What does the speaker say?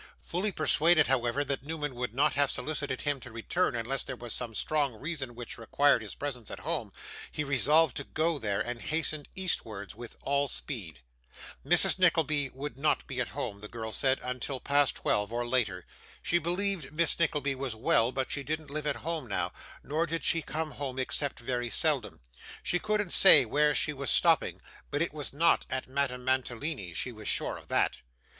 Fully persuaded, however, that Newman would not have solicited him to return unless there was some strong reason which required his presence at home, he resolved to go there, and hastened eastwards with all speed. Mrs. Nickleby would not be at home, the girl said, until past twelve, or later. She believed Miss Nickleby was well, but she didn't live at home now, nor did she come home except very seldom. She couldn't say where she was stopping, but it was not at Madame Mantalini's. She was sure of that.